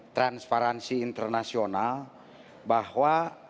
transparansi internasional bahwa